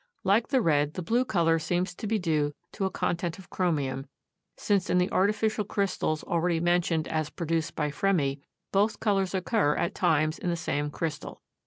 Like the red the blue color seems to be due to a content of chromium, since in the artificial crystals already mentioned as produced by Fremy, both colors occur at times in the same crystal.